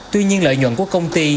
tuy nhiên lợi nhuận của công ty